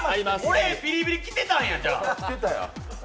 俺、ビリビリ来てたんや！